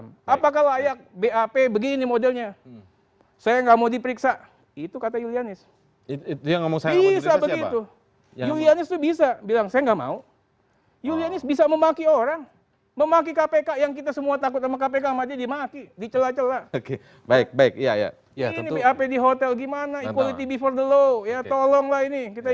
nah kemudian berikutnya ini juga fakta